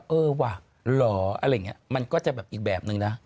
เออว่ะเหรออะไรอย่างนี้มันก็จะแบบอีกแบบนึงนะ